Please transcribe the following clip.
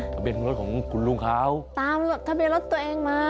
ทะเบียนรถของคุณลุงเขาตามรถทะเบียนรถตัวเองมา